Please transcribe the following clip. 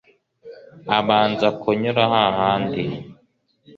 abanza kunyura ha handi